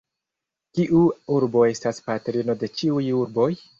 Kiu urbo estas patrino de ĉiuj urboj?